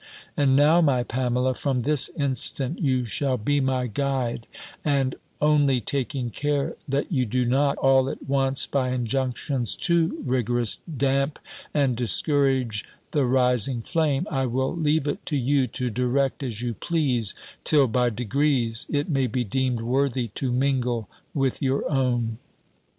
And now, my Pamela, from this instant you shall be my guide; and, only taking care, that you do not, all at once, by injunctions too rigorous, damp and discourage the rising flame, I will leave it to you to direct as you please, till, by degrees, it may be deemed worthy to mingle with your own."